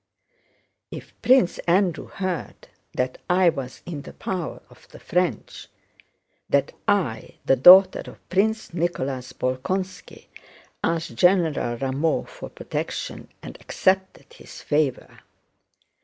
"If Prince Andrew heard that I was in the power of the French! That I, the daughter of Prince Nicholas Bolkónski, asked General Rameau for protection and accepted his favor!"